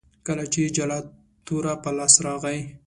کله چې جلات توره په لاس راغی.